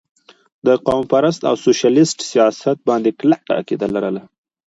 د قوم پرست او سوشلسټ سياست باندې کلکه عقيده لرله